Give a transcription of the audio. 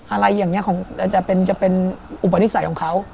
อะไรอย่างนี้จะเป็นอุปนิสัยของเขา